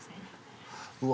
うわ。